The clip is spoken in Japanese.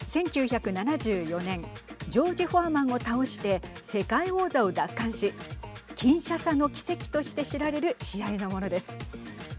１９７４年ジョージ・フォアマンを倒して世界王座を奪還しキンシャサの奇跡として知られる試合のものです。